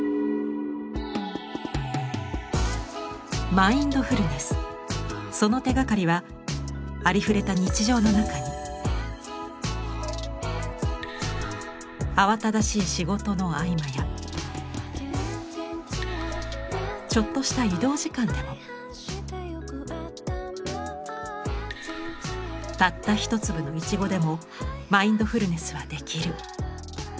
マインドフルネスその手がかりは慌ただしい仕事の合間やちょっとした移動時間でもたった一粒のいちごでもマインドフルネスはできる。